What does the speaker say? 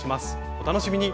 お楽しみに。